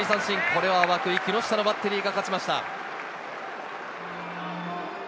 これは涌井、木下のバッテリーが勝ちました。